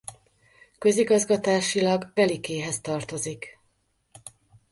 Közigazgatásilag Velikéhez tartozik.